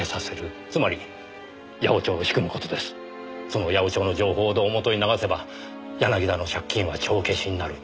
その八百長の情報を胴元に流せば柳田の借金は帳消しになる。